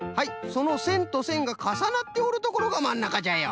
そのせんとせんがかさなっておるところがまんなかじゃよ。